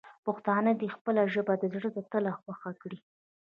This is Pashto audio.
پښتانه دې خپله ژبه د زړه له تله خوښه کړي.